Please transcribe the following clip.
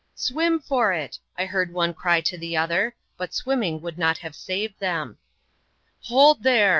"Swim for it!" I heard one cry to the other: but swimming would not have saved them. "Hold there!"